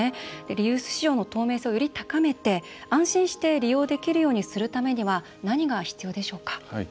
リユース市場の透明性をより高めて安心して利用できるようにするためには何が必要でしょうか？